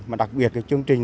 mà đặc biệt chương trình